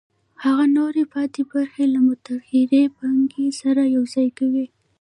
هغه نوره پاتې برخه له متغیرې پانګې سره یوځای کوي